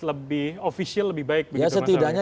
lebih official lebih baik ya setidaknya